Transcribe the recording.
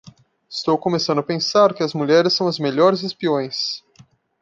Estou começando a pensar que as mulheres são as melhores espiões.